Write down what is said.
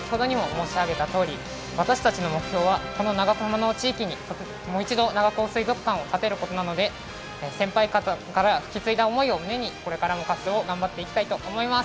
私たちの目標はこの長浜の地域にもう一度、長高水族館を建てることなので先輩方から引き継いだ思いを胸にこれからも活動を頑張っていきたいと思います。